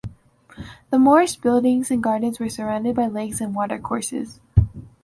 The Moorish buildings and gardens were surrounded by lakes and watercourses.